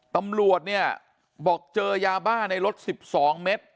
ตำรวจบอกเจอยาบ้าในรถ๑๒เมตร